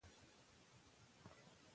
کولن میلیر یو مشهور سپېن بالر دئ.